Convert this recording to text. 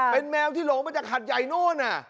เป็นแมวที่หลงมาจากหัดใหญ่โน่น